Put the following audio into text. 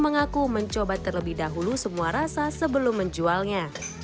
mengaku mencoba terlebih dahulu semua rasa sebelum menjualnya